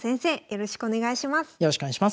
よろしくお願いします。